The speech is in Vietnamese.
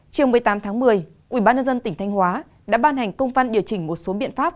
trường một mươi tám tháng một mươi ubnd tỉnh thanh hóa đã ban hành công phân điều trình một số biện pháp